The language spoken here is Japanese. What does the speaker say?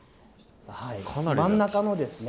真ん中のですね。